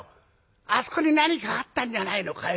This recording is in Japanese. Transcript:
あそこに何かあったんじゃないのかい？